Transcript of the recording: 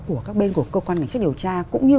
của các bên của cơ quan ngành sách điều tra cũng như